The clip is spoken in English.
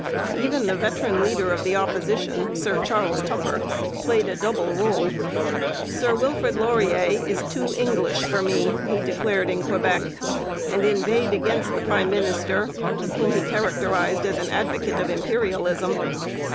Even the veteran leader of the Opposition, Sir Charles Tupper, played a double rôle. 'Sir Wilfrid Laurier is too English for me,' he declared in Quebec, and inveighed against the prime minister, whom he characterized as an advocate of imperialism.